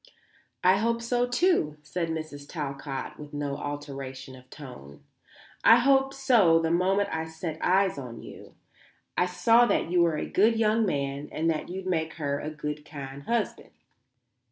"I hope so, too," said Mrs. Talcott with no alteration of tone. "I hoped so the moment I set eyes on you. I saw that you were a good young man and that you'd make her a good kind husband."